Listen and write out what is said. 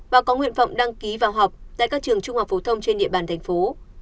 và có nguyện vọng đăng ký vào học tại các trường trung học phổ thông trên địa bàn thành phố